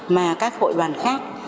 mà các hội đoàn khác